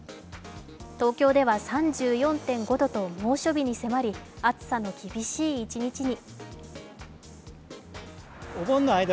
東京では３４．５度と猛暑日に迫り暑さの厳しい一日に。